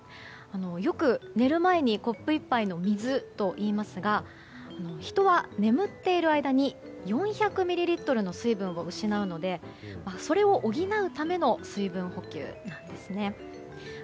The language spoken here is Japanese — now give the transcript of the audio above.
よく寝る前にコップ１杯の水といいますが人は眠っている間に４００ミリリットルの水分を失うので、それを補うための水分補給なんですね。